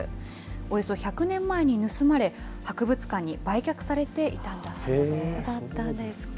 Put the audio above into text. およそ１００年前に盗まれ、博物館に売却されていたんだそうです。